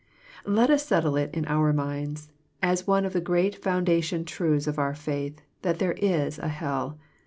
Let us settle it in our minds, as one of the great foun dation truths of our faith, that there is a hell.